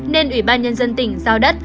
nên ủy ban nhân dân tỉnh giao đất